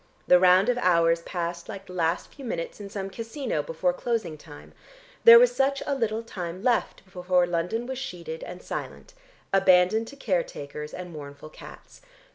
The round of hours passed like the last few minutes in some casino before closing time; there was such a little time left before London was sheeted and silent, abandoned to care takers and mournful cats.